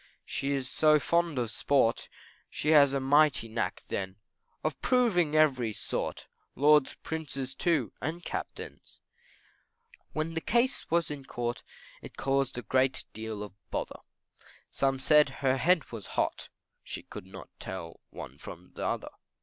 She is so fond of sport, She has a mighty knack then, Of proving every sort, Lords, Prince's too, and Captains. When the case was in the Court, It caused a deal of bother, Some said her head was hot, She could not tell one from t'other.